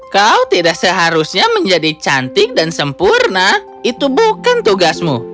kau tidak seharusnya menjadi cantik dan sempurna itu bukan tugasmu